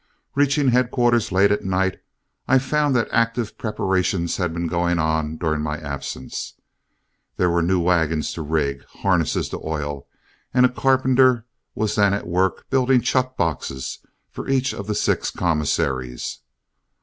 Reaching headquarters late at night, I found that active preparations had been going on during my absence. There were new wagons to rig, harness to oil, and a carpenter was then at work building chuck boxes for each of the six commissaries.